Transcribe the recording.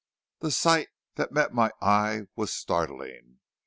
The sight that met my eye was startling.